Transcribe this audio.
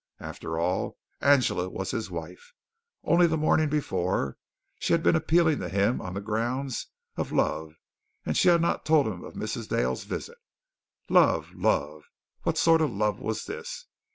After all, Angela was his wife. Only the morning before, she had been appealing to him on the grounds of love, and she had not told him of Mrs. Dale's visit. Love! Love! What sort of love was this?